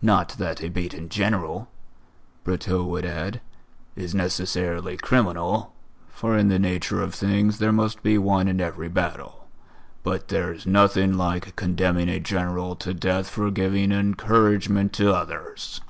Not that a beaten General," Brotteaux would add, "is necessarily criminal, for in the nature of things there must be one in every battle. But there's nothing like condemning a General to death for giving encouragement to others."